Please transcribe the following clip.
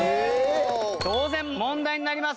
当然問題になりますから。